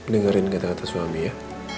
dengerin kata kata suami ya